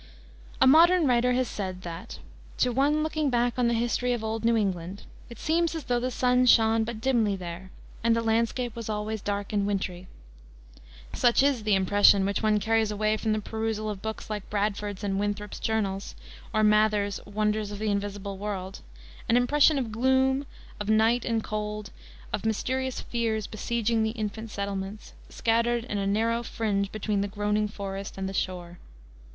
A modern writer has said that, to one looking back on the history of old New England, it seems as though the sun shone but dimly there, and the landscape was always dark and wintry. Such is the impression which one carries away from the perusal of books like Bradford's and Winthrop's Journals, or Mather's Wonders of the Invisible World: an impression of gloom, of night and cold, of mysterious fears besieging the infant settlements, scattered in a narrow fringe "between the groaning forest and the shore."